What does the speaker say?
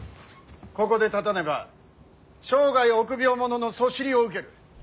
ここで立たねば生涯臆病者のそしりを受ける。